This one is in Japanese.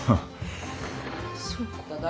そうか。